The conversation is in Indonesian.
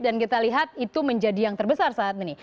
dan kita lihat itu menjadi yang terbesar saat ini